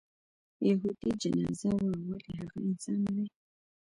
یهودي جنازه وه ولې هغه انسان نه دی.